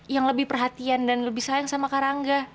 yang lebih perhatian dan lebih sayang sama karangga